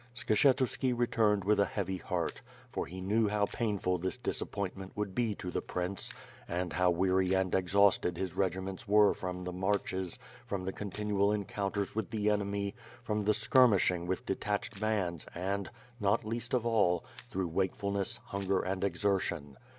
Skshetuski returned with a heavy heart, for he knew how painful this disappointment would be to the prince, and how weary and exhausted his regiments were from the marches, from the continual encounters with the enemy, from the skirmishing with detached bands and, not least of all, through wakefulness, hunger, and exertion.